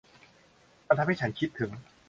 มันทำให้ฉันคิดถึง